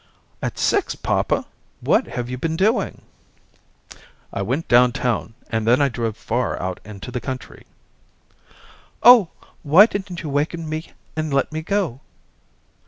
"At six, papa? What have you been doing?" "I went down town, and then I drove far out into the country." "Oh, why didn't you waken me and let me go?"